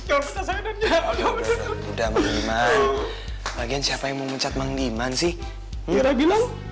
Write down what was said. udah udah maghriban bagian siapa yang mencet menghidupkan sih ngira bilang